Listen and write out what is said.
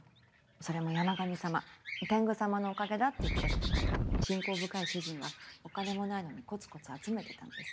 それも山神様天狗様のおかげだっていって信仰深い主人はお金もないのにコツコツ集めてたんです。